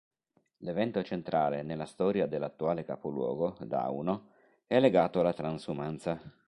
L'evento centrale nella storia dell'attuale capoluogo dauno è legato alla transumanza.